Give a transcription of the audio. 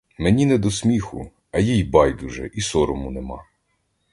Мені не до сміху, а їй байдуже, і сорому нема.